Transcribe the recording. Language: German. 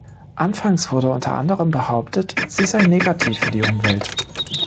Anfangs wurde unter anderem behauptet, sie sei negativ für die Umwelt.